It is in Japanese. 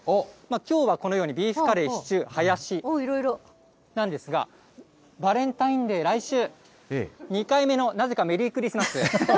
きょうはこのようにビーフカレー、シチュー、ハヤシなんですが、バレンタインデー、来週、２回目のなぜかメリークリスマス。